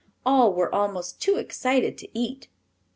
All were almost too excited to eat.